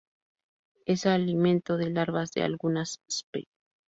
Es alimento de larvas de algunas spp.